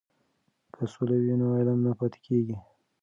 که سوله وي نو علم نه پاتې کیږي.